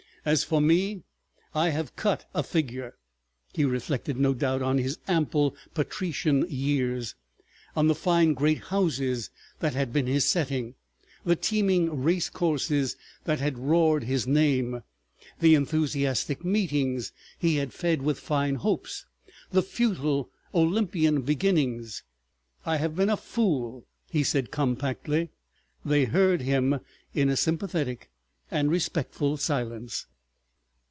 "As for me, I have cut a figure!" He reflected—no doubt on his ample patrician years, on the fine great houses that had been his setting, the teeming race courses that had roared his name, the enthusiastic meetings he had fed with fine hopes, the futile Olympian beginnings. ... "I have been a fool," he said compactly. They heard him in a sympathetic and respectful silence.